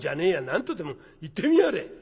何とでも言ってみやがれ！」。